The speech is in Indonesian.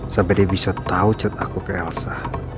sampai dia bisa tau chat aku ke elsa